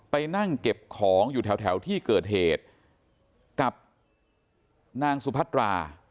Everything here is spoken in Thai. ไปนั่งเก็บของอยู่แถวที่เกิดเหตุกับนางสุพัตรา